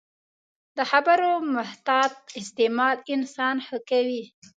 د خبرو محتاط استعمال انسان ښه کوي